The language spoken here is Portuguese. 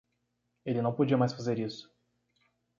Ele não podia mais fazer isso.